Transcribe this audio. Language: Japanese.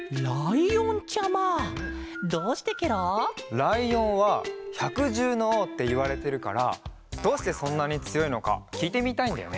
ライオンは「ひゃくじゅうのおう」っていわれてるからどうしてそんなにつよいのかきいてみたいんだよね。